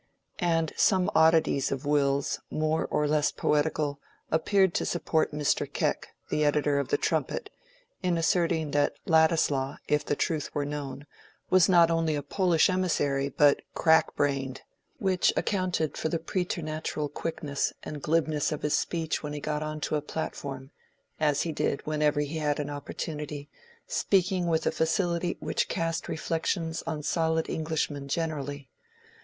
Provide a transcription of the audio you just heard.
And some oddities of Will's, more or less poetical, appeared to support Mr. Keck, the editor of the "Trumpet," in asserting that Ladislaw, if the truth were known, was not only a Polish emissary but crack brained, which accounted for the preternatural quickness and glibness of his speech when he got on to a platform—as he did whenever he had an opportunity, speaking with a facility which cast reflections on solid Englishmen generally.